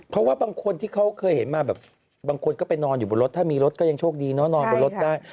เพราะว่าบางคนที่เขาเคยเห็นมาแบบบางคนก็ไปนอนอยู่บนรถถ้ามีรถก็ยังโชคดีเนอะนอนบนรถได้